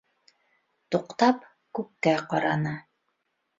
Туҡтап, күккә ҡараны.